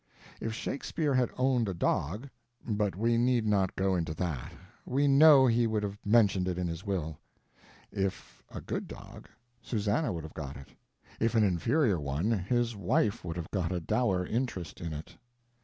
If Shakespeare had owned a dog—but we need not go into that: we know he would have mentioned it in his will. If a good dog, Susanna would have got it; if an inferior one his wife would have got a dower interest in it.